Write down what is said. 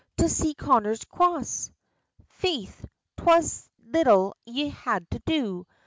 "To see Connor's Cross " "Faith, 'twas little ye had to do!